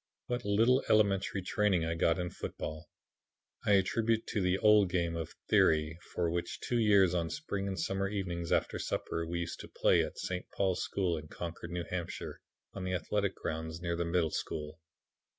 "What little elementary training I got in football, I attribute to the old game of 'theory,' which for two years on spring and summer evenings, after supper, we used to play at St. Paul's School in Concord, N. H., on the athletic grounds near the Middle School.